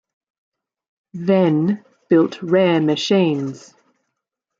Venn built rare machines.